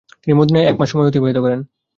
তিনি মদিনায় একমাস সময় অতিবাহিত করেন।